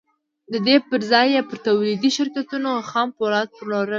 د دې پر ځای یې پر تولیدي شرکتونو خام پولاد پلورل